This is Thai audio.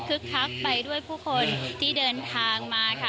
คักไปด้วยผู้คนที่เดินทางมาค่ะ